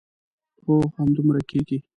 هو همدومره کېږي.